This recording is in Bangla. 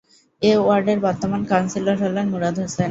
এ ওয়ার্ডের বর্তমান কাউন্সিলর হলেন মুরাদ হোসেন।